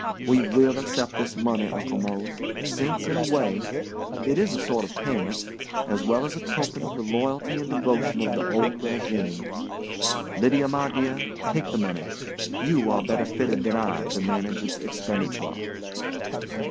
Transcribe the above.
We will accept this money, Uncle Mose, since, in a way, it is a sort of payment, as well as a token of the loyalty and devotion of the old régime. Lydia, my dear, take the money. You are better fitted than I to manage its expenditure."